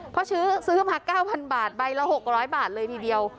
เพราะซื้อซื้อมาเก้าพันบาทใบละหกร้อยบาทเลยทีเดียว